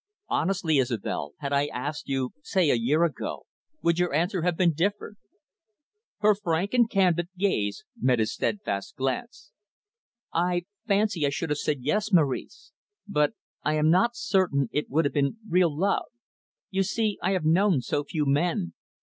Honestly, Isobel, had I asked you, say, a year ago, would your answer have been different?" Her frank and candid gaze met his steadfast glance. "I fancy I should have said yes, Maurice. But I am not certain it would have been real love; you see, I have known so few men.